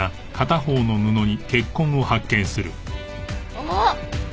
あっ！